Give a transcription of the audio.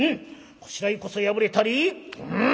こしらえこそ破れたりンッ！